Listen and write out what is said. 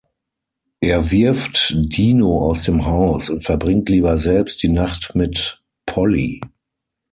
Er wirft Dino aus dem Haus und verbringt lieber selbst die Nacht mit Polly.